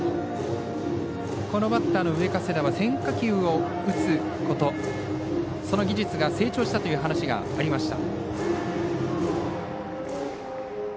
バッターの上加世田は変化球を打つことその技術が成長したという話がありました。